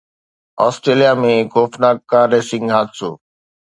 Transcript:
Australia ۾ خوفناڪ car racing حادثو